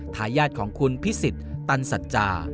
ทายาทของคุณพิสิทธิ์ตันสัจจา